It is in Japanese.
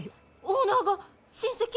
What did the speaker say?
オーナーが親戚？